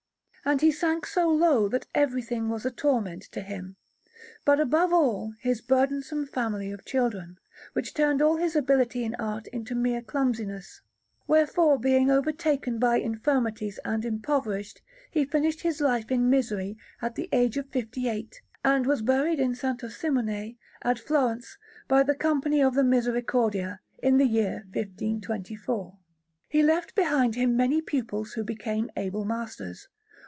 And he sank so low that everything was a torment to him, but above all his burdensome family of children, which turned all his ability in art into mere clumsiness. Wherefore, being overtaken by infirmities and impoverished, he finished his life in misery at the age of fifty eight, and was buried in S. Simone, at Florence, by the Company of the Misericordia, in the year 1524. He left behind him many pupils who became able masters.